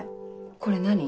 これ何？